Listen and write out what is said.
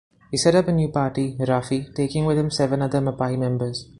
He set up a new party, Rafi, taking with him seven other Mapai members.